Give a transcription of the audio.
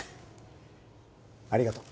ありがとう。